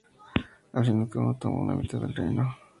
Al final, cada uno tomó una mitad del reino.